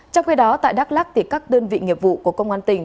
trong khi đó tại đắk lắc các đơn vị nghiệp vụ của công an tỉnh